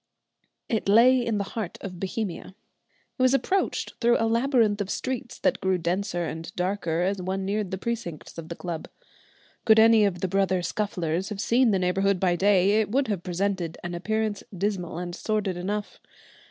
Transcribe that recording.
_ It lay in the heart of Bohemia. It was approached through a labyrinth of streets that grew denser and darker as one neared the precincts of the club. Could any of the brother Scufflers have seen the neighbourhood by day, it would have presented an appearance dismal and sordid enough.